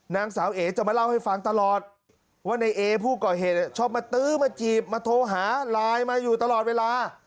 นางสาวเอ๋จะมาเล่าให้ฟังตลอดว่าในเอผู้ก่อเหตุชอบมาตื้อมาจีบมาโทรหาไลน์มาอยู่ตลอดเวลา